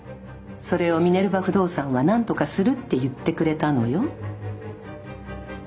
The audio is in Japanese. それをミネルヴァ不動産はなんとかするって言ってくれたのよ。